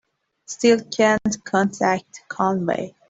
Still can't contact Conway.